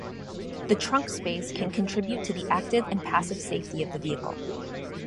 The trunk space can contribute to the active and passive safety of the vehicle.